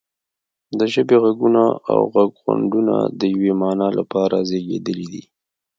د ژبې غږونه او غږغونډونه د یوې معنا لپاره زیږیدلي دي